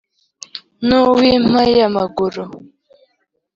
none uw’ impayamaguru